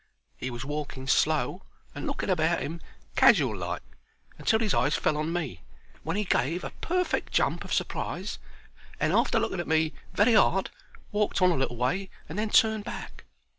He was walking slow and looking about 'im casual like, until his eyes fell on me, when he gave a perfect jump of surprise, and, arter looking at me very 'ard, walked on a little way and then turned back.